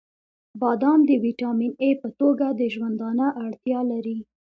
• بادام د ویټامین ای په توګه د ژوندانه اړتیا لري.